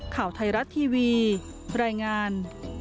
ข่าวไทยรัฐทีวีรายงาน